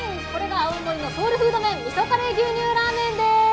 青森のソウルフード味噌カレー牛乳ラーメンです。